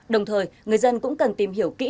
đồng thời người dân cũng cần tìm hiểu kỹ